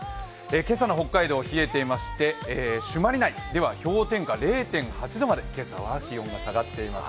今朝の北海道、冷えていまして朱鞠内では氷点下０．８度まで気温が下がっています。